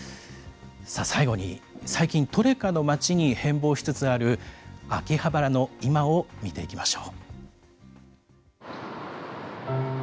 さあ最後に最近トレカの街に変貌しつつある秋葉原の今を見ていきましょう。